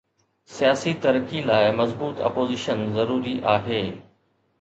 سياسي ترقي لاءِ مضبوط اپوزيشن ضروري آهي.